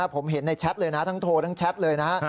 ผมเห็นในแชทเลยนะทั้งโทรทั้งแชทเลยนะฮะ